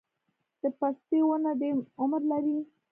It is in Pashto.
د پستې ونه ډیر عمر لري؟